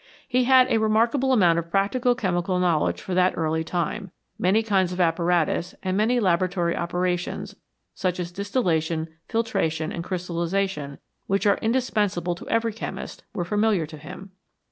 He had quite a remarkable amount of practical chemical knowledge for that early time ; many kinds of apparatus, and many laboratory operations, such as distillation, filtration, and crystal lisation, which are indispensable to every chemist, were familiar to him.